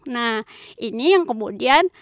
nah ini yang kemudian